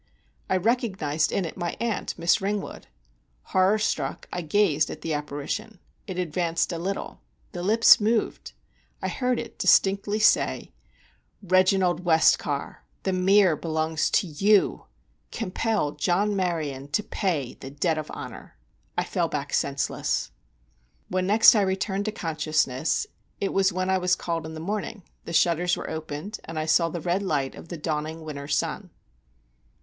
I recognized in it my aunt, Miss Ringwood. Horror struck, I gazed at the apparition; it advanced a little—the lips moved—I heard it distinctly say: "Reginald Westcar, The Mere belongs to you. Compel John Maryon to pay the debt of honor!" I fell back senseless. When next I returned to consciousness, it was when I was called in the morning; the shutters were opened, and I saw the red light of the dawning winter sun.